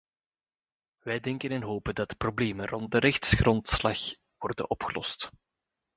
Wij denken en we hopen dat de problemen rond de rechtsgrondslag worden opgelost.